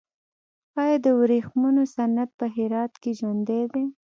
آیا د ورېښمو صنعت په هرات کې ژوندی دی؟